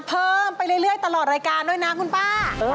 เพิ่มไปเรื่อยตลอดรายการด้วยนะคุณป้า